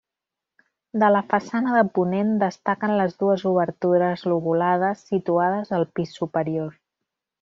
De la façana de ponent destaquen les dues obertures lobulades situades al pis superior.